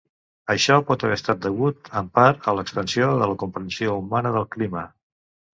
Això pot haver estat degut, en part, a l'expansió de la comprensió humana del clima.